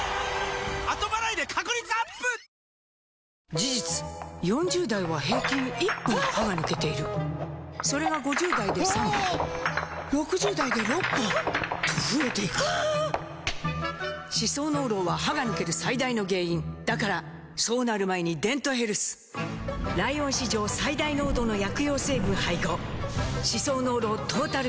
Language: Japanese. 事実４０代は平均１本歯が抜けているそれが５０代で３本６０代で６本と増えていく歯槽膿漏は歯が抜ける最大の原因だからそうなる前に「デントヘルス」ライオン史上最大濃度の薬用成分配合歯槽膿漏トータルケア！